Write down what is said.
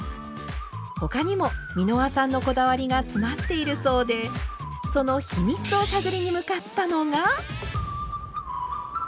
他にも美濃羽さんのこだわりが詰まっているそうでその秘密を探りに向かったのが。